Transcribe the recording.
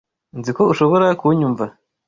Nzi ko ushobora kunyumva.